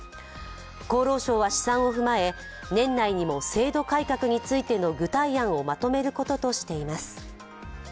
厚労省は試算を踏まえ年内にも制度改革についての具体案をまとめることとしています。